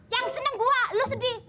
yang seneng gue lu sedih